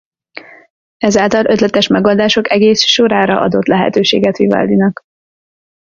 Ezáltal ötletes megoldások egész sorára adott lehetőséget Vivaldinak.